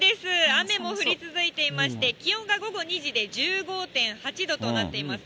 雨も降り続いていまして、気温が午後２時で１５．８度となっています。